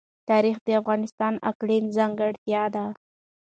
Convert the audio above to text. تاریخ د افغانستان د اقلیم ځانګړتیا ده.